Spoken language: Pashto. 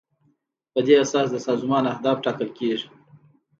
په دې اساس د سازمان اهداف ټاکل کیږي.